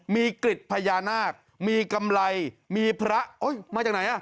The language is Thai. มีกฤษพญานาคมีกำไรมีพระโอ๊ยมาจากไหน